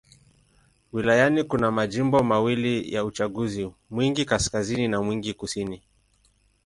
Wilayani kuna majimbo mawili ya uchaguzi: Mwingi Kaskazini na Mwingi Kusini.